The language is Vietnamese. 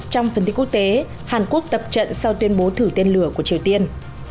trong phần tin quốc tế hàn quốc tập trận sau tuyên bố thử tên lửa của triều tiên